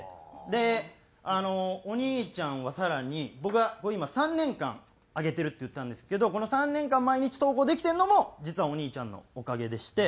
でお兄ちゃんは更に僕は今３年間上げてるって言ったんですけどこの３年間毎日投稿できてるのも実はお兄ちゃんのおかげでして。